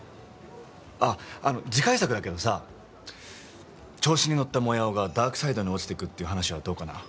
あっあの次回作だけどさ調子にのったモヤオがダークサイドに落ちていくっていう話はどうかな？